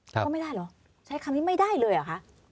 ก็ไม่ได้เหรอใช้คำนี้ไม่ได้เลยเหรอคะ